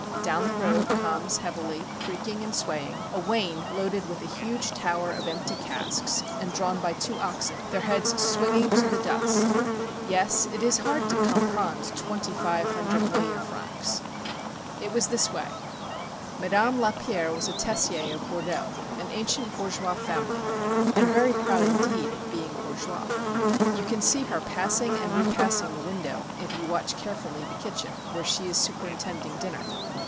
Down the road comes heavily, creaking and swaying, a wain loaded with a huge tower of empty casks and drawn by two oxen, their heads swinging to the dust. Yes, it is hard to comprendre twenty five hundred million francs. It was this way. Madame Lapierre was a Tessier of Bordeaux an ancient bourgeois family, and very proud indeed of being bourgeois. You can see her passing and repassing the window if you watch carefully the kitchen, where she is superintending dinner.